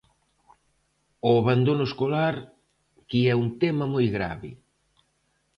Ao abandono escolar, que é un tema moi grave.